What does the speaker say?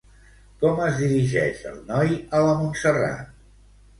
Com es dirigeix el noi a la Montserrat?